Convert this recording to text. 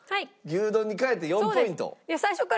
牛丼に変えて４ポイント。